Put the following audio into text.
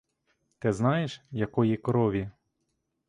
Та знаєш, якої крові?!.